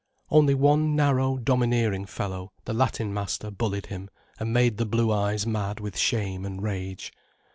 Only one narrow, domineering fellow, the Latin master, bullied him and made the blue eyes mad with shame and rage.